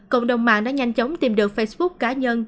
cộng đồng mạng đã nhanh chóng tìm được facebook cá nhân